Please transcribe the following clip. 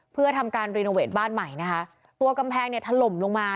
เพื่อทำการรีโนเวทบ้านใหม่นะคะตัวกำแพงเนี่ยถล่มลงมา